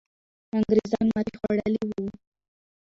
انګریزان ماتې خوړلې وو.